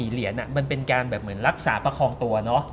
เหรียญมันเป็นการแบบเหมือนรักษาประคองตัวเนอะ